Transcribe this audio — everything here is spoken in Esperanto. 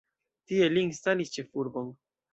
Tie li instalis ĉefurbon.